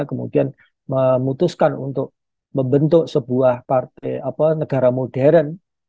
kemudian memutuskan untuk membentuk sebuah partai apa negara modern